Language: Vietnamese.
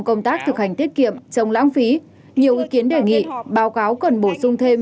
công tác thực hành tiết kiệm chống lãng phí nhiều ý kiến đề nghị báo cáo cần bổ sung thêm